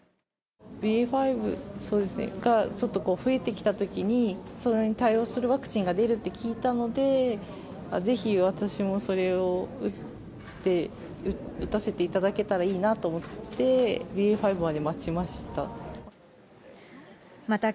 ＢＡ．５がちょっと増えてきたときに、それに対応するワクチンが出るって聞いたので、ぜひ私もそれを打って、打たせていただけたらいいなと思って、ＢＡ．５まで待ちました。